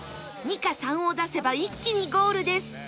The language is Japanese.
「２」か「３」を出せば一気にゴールです